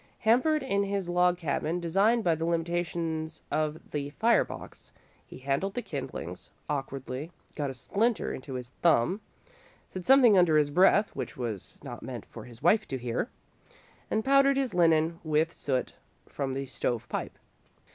Hampered in his log cabin design by the limitations of the fire box, he handled the kindlings awkwardly, got a splinter into his thumb, said something under his breath which was not meant for his wife to hear, and powdered his linen with soot from the stove pipe.